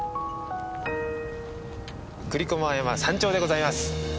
栗駒山山頂でございます。